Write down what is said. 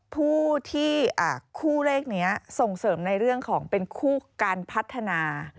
ผู้ที่คู่เลขนี้ส่งเสริมในเรื่องของเป็นคู่การพัฒนา